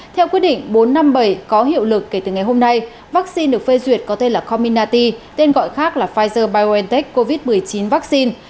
theo quyết định bốn trăm năm mươi bảy có hiệu lực kể từ ngày hôm nay vaccine được phê duyệt có tên là comminati tên gọi khác là pfizer biontech covid một mươi chín vaccine